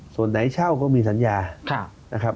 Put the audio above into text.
ส่วนไหนเช่าก็มีสัญญา